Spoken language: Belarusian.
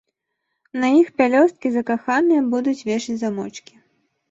На іх пялёсткі закаханыя будуць вешаць замочкі.